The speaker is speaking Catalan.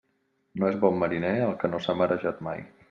No és bon mariner el que no s'ha marejat mai.